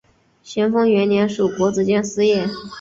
咸丰元年署国子监司业。